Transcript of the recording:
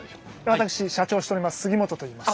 私社長をしております杉本といいます。